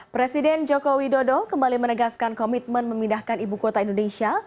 presiden joko widodo kembali menegaskan komitmen memindahkan ibu kota indonesia